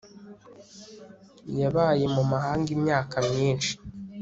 yabaye mu mahanga imyaka myinshi